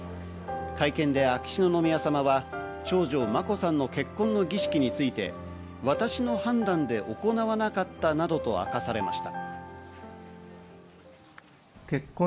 会見で秋篠宮さまは、長女・眞子さんの結婚の儀式について私の判断で行わなかったなどと明かされました。